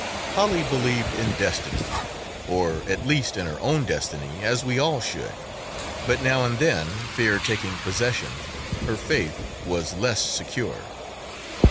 Polly believed in destiny, or at least in her own destiny as we all should, but now and then, fear taking possession, her faith was less secure.